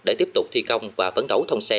để tiếp tục thi công và phấn đấu thông xe